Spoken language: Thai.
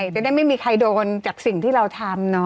จะได้ไม่มีใครโดนจากสิ่งที่เราทำ